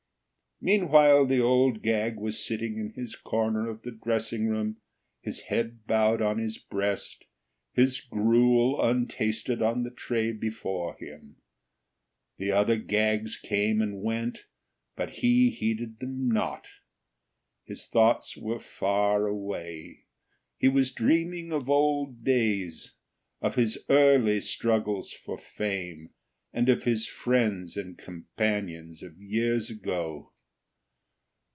Meanwhile the Old Gag was sitting in his corner of the dressing room, his head bowed on his breast, his gruel untasted on the tray before him. The other Gags came and went, but he heeded them not. His thoughts were far away. He was dreaming of old days, of his early struggles for fame, and of his friends and companions of years ago.